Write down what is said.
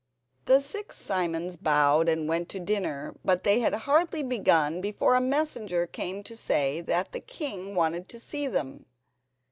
The six Simons bowed and went to dinner. But they had hardly begun before a messenger came to say that the king wanted to see them.